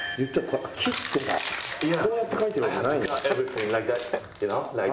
こうやって描いてるわけじゃないんだ。